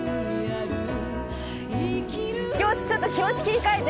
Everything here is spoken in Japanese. よしちょっと気持ち切り替えて。